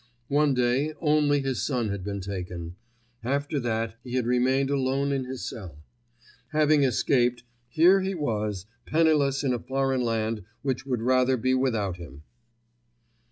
One day only his son had been taken; after that he had remained alone in his cell. Having escaped, here he was, penniless in a foreign land which would rather be without him.